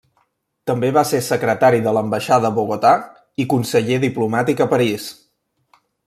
També va ser secretari de l'ambaixada a Bogotà i conseller diplomàtic a París.